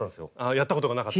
やったことがなかった？